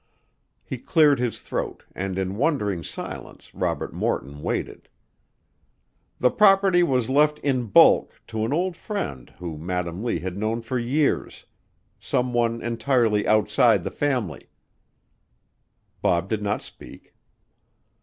He cleared his throat and in wondering silence Robert Morton waited. "The property was left in bulk to an old friend whom Madam Lee had known for years some one entirely outside the family." Bob did not speak.